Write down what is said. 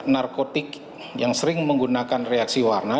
narkotik yang sering menggunakan reaksi warna